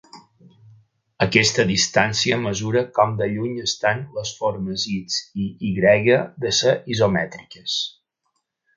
Aquesta distància mesura com de lluny estan les formes "X" i "Y" de ser isomètriques.